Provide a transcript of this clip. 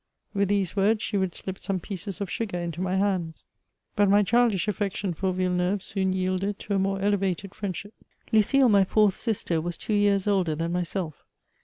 With these words, she would slip some pieces of sugar into my hands. But my childish affec tion for Yilleneuve soon yielded to a more elevated friendship. Lucile, my fourth sister, was two years older than myself.